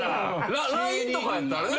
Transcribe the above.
ＬＩＮＥとかやったらね。